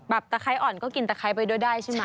ตะไคร้อ่อนก็กินตะไคร้ไปด้วยได้ใช่ไหม